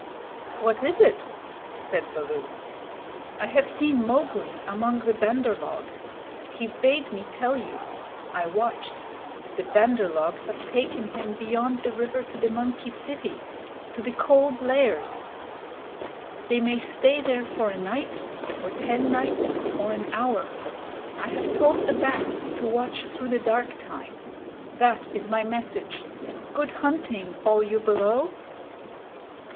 "What is it?" said Baloo. "I have seen Mowgli among the Bandar log. He bade me tell you. I watched. The Bandar log have taken him beyond the river to the monkey city to the Cold Lairs. They may stay there for a night, or ten nights, or an hour. I have told the bats to watch through the dark time. That is my message. Good hunting, all you below!"